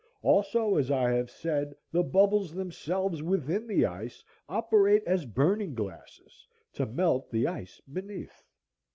Also, as I have said, the bubbles themselves within the ice operate as burning glasses to melt the ice beneath.